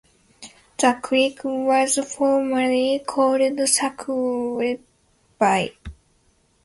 The creek was formerly called Squaw Bay.